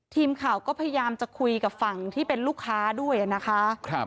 ทีมข่าวก็พยายามจะคุยกับฝั่งที่เป็นลูกค้าด้วยนะคะ